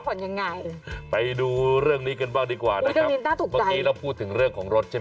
พักผ่อนยังไงไปดูเรื่องนี้กันบ้างดีกว่านะครับอุ๋ยดังนี้น่าถูกใจ